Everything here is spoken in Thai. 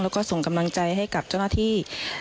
แล้วก็ส่งกำลังใจให้กับเจ้าหน้าที่